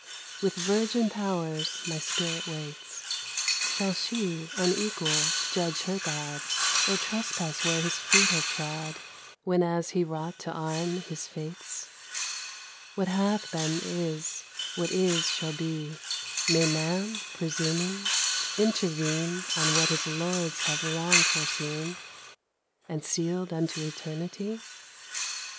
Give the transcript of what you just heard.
With 'virgin powers my spirit waits ; Shall she, unequal, judge her God, Or trespass where His feet have trod Whenas He wrought to arm His fates? What hath been, is. What is, shall be. May Man, presuming, intervene On what his Lords have long foreseen And sealed unto eternity ? 10 DEDICATION.